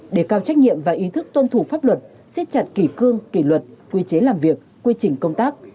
để cao trách nhiệm và ý thức tuân thủ pháp luật xiết chặt kỷ cương kỷ luật quy chế làm việc quy trình công tác